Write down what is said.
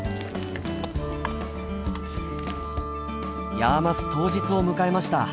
ヤーマス当日を迎えました。